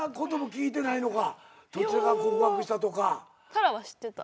紗来は知ってた。